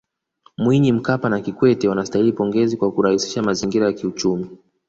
Mwinyi Mkapa na Kikwete wanastahili pongezi kwa kurahisisha mazingira ya kiuchumi